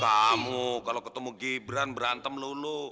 kamu kalau ketemu gibran berantem lulu